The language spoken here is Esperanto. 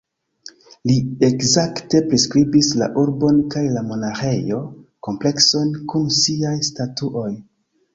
Li ekzakte priskribis la urbon kaj la monaĥejo-komplekson kun siaj statuoj.